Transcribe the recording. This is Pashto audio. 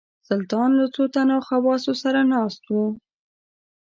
سلطان له څو تنو خواصو سره ناست وو.